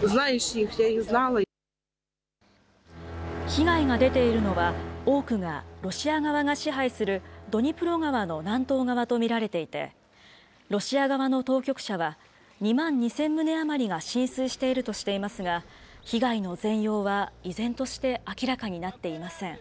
被害が出ているのは、多くがロシア側が支配するドニプロ川の南東側と見られていて、ロシア側の当局者は、２万２０００棟余りが浸水しているとしていますが、被害の全容は依然として明らかになっていません。